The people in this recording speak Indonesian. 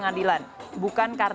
jatian epa jayante